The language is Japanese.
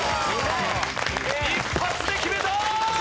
１発で決めた！